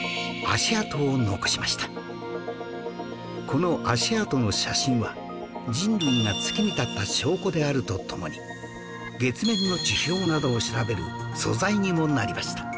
この足跡の写真は人類が月に立った証拠であるとともに月面の地表などを調べる素材にもなりました